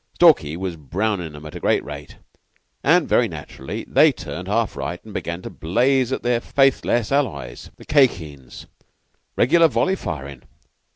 Stalky was brownin' 'em at a great rate, and very naturally they turned half right and began to blaze at their faithless allies, the Khye Kheens regular volley firin'.